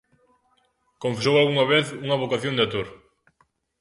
Confesou algunha vez unha vocación de actor.